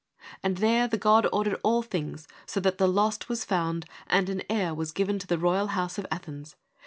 And there the God ordered all things so that the lost was found, and an heir was given to the royal house of Athens.